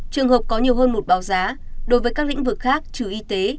trường hợp có nhiều hơn một báo giá đối với các lĩnh vực khác trừ y tế